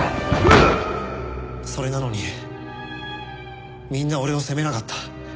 それなのにみんな俺を責めなかった。